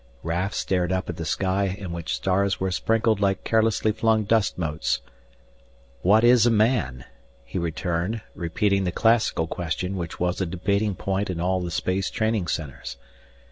Raf stared up at the sky in which stars were sprinkled like carelessly flung dust motes. "What is a 'man'?" he returned, repeating the classical question which was a debating point in all the space training centers.